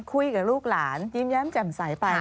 คุยกับลูกหลานยิ้มแย้มแจ่มใสไป